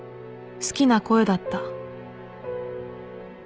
好きな声だった